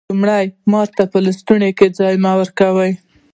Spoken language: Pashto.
لومړی: مار ته په لستوڼي کی ځای مه ورکوه